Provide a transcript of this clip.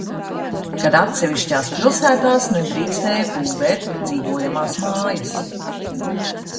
Kad atsevišķās pilsētās nedrīkstēja būvēt dzīvojamās mājas.